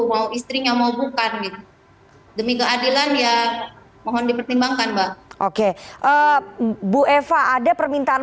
mau istrinya mau bukan gitu demi keadilan ya mohon dipertimbangkan mbak oke bu eva ada permintaan